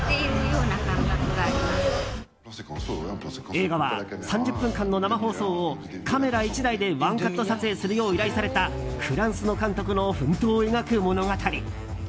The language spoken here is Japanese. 映画は３０分間の生放送をカメラ１台でワンカット撮影するよう依頼されたフランスの監督の奮闘を描く物語。